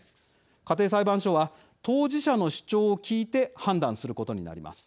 家庭裁判所は当事者の主張を聞いて判断することになります。